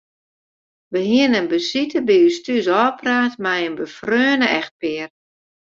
Wy hiene in besite by ús thús ôfpraat mei in befreone echtpear.